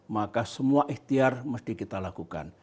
maka semua ikhtiar mesti kita lakukan